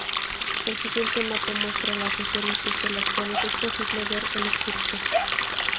El siguiente mapa muestra las regiones desde las cuales es posible ver el eclipse.